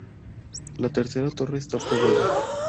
La tercera torre está aprobada.